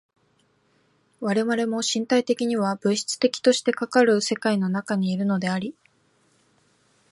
我々も身体的には物質的としてかかる世界の中にいるのであり、